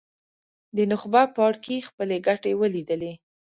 د نخبه پاړکي خپلې ګټې ولیدلې.